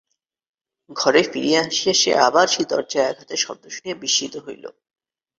ঘরে ফিরিয়া আসিয়া সে আবার সেই দরজায় আঘাতের শব্দ শুনিয়া বিস্মিত হইল।